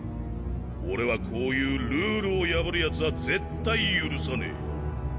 俺はこういうルールを破るヤツは絶対許さねえ。